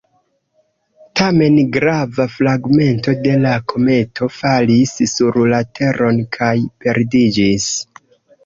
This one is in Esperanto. Tamen grava fragmento de la kometo falis sur la Teron kaj perdiĝis.